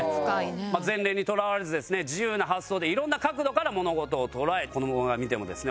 前例にとらわれずですね自由な発想で色んな角度から物事を捉え子どもが見てもですね